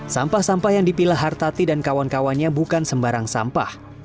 sampah sampah yang dipilah hartati dan kawan kawannya bukan sembarang sampah